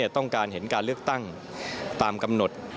ต้องการเห็นการเลือกตั้งตามกำหนด